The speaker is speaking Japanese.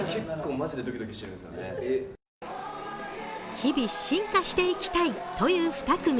日々、進化していきたいという２組。